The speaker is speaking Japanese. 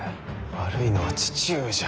悪いのは父上じゃ。